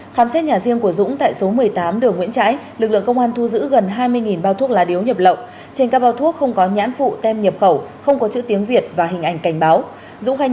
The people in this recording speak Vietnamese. tàng trữ gần hai mươi bao thuốc lá nhập lậu đối tượng nguyễn xuân dũng ba mươi chín tuổi chú tại phường ninh xá tp bắc ninh vừa bị công an tp bắc ninh phối hợp với phòng cảnh sát kinh tế công an tỉnh bắc ninh